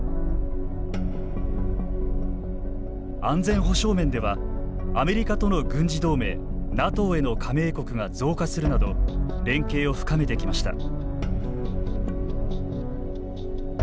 安全保障面ではアメリカとの軍事同盟ＮＡＴＯへの加盟国が増加するなど連携を深めてきました。